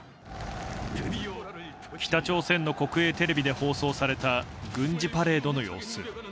北朝鮮の国営テレビで放送された軍事パレードの様子。